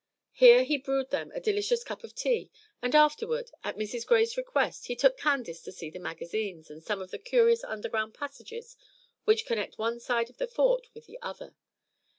Here he brewed them a delicious cup of tea; and afterward, at Mrs. Gray's request, he took Candace to see the magazines, and some of the curious underground passages which connect one side of the Fort with the other.